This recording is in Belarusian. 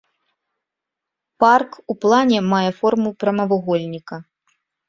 Парк у плане мае форму прамавугольніка.